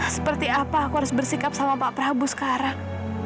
seperti apa aku harus bersikap sama pak prabowo sekarang